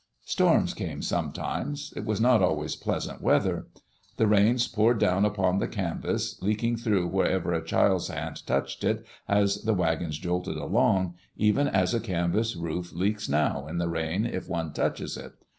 Storms came sometimes — it was not always pleasant weatfier. The rains poured down upon the canvas, leaking tfirough wherever a child's hand touched it as the wagons jolted along, even as a canvas roof leaks now in the rain if one touches it.